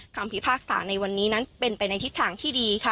พิพากษาในวันนี้นั้นเป็นไปในทิศทางที่ดีค่ะ